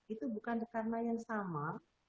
itu bukan karena yang sama